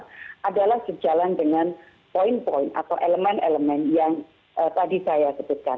dan saya juga mengatakan bahwa usulan yang terjadi oleh pemerintah myanmar adalah sejalan dengan poin poin atau elemen elemen yang tadi saya sebutkan